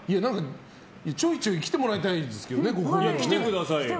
ちょいちょい来てもらいたいですけど、ここに。